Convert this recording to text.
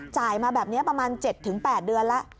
จ่ายมาแบบนี้ประมาณ๗๘เดือนละ